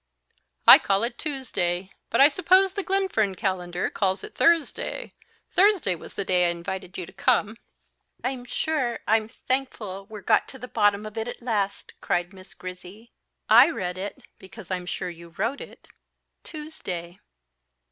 "I call it Tuesday; but I suppose the Glenfern calendar calls it Thursday: Thursday was the day I invited you to come." "I'm sure I'm thankful we're got to the bottom of it at last," cried Miss Grizzy; "I read it, because I'm sure you wrote it, Tuesday."